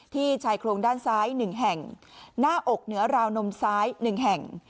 ที่ชายโครงด้านซ้ายหนึ่งแห่งหน้าอกเหนือราวนมซ้ายหนึ่งแห่ง